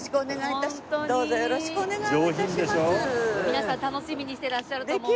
皆さん楽しみにしていらっしゃると思うので。